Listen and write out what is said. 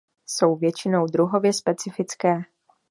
Jsou většinou druhově specifické.